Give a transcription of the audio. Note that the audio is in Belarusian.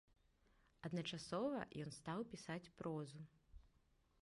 Адначасова ён стаў пісаць прозу.